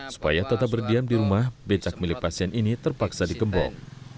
supaya tetap berdiam di rumah becak milik pasien ini terpaksa dikembok